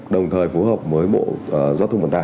đồng thời phối hợp với bộ